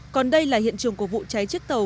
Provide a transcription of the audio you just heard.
còn đây là hiện trường của vụ cháy chiếc tàu